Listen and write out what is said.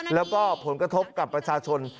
แล้วก็ผลกระทบกับประชาชน